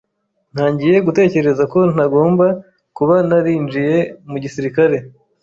Ntangiye gutekereza ko ntagomba kuba narinjiye mu gisirikare.